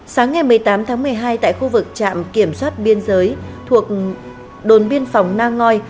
sáng ngày một mươi tám tháng một mươi hai tại khu vực trạm kiểm soát biên giới thuộc đồn biên phòng nang ngoi